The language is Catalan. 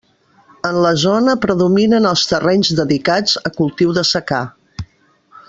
En la zona predominen els terrenys dedicats a cultius de secà.